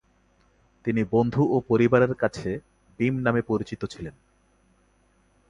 তিনি বন্ধু ও পরিবারের কাছে বিম নামে পরিচিত ছিলেন।